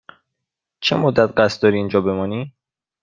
چه مدت قصد داری اینجا بمانی؟